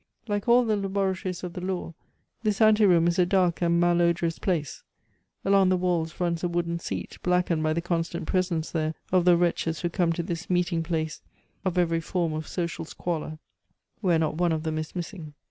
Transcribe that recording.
Like all the laboratories of the law, this ante room is a dark and malodorous place; along the walls runs a wooden seat, blackened by the constant presence there of the wretches who come to this meeting place of every form of social squalor, where not one of them is missing.